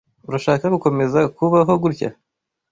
Urashaka gukomeza kubaho gutya?